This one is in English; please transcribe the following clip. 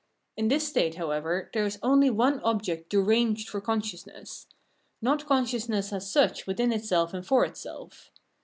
In this state, however, there is only one object deranged for consciousness — not consciousness as such within itself and for itself.